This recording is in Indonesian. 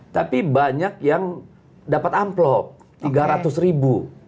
tapi banyak yang dapat amplop tiga ratus ribu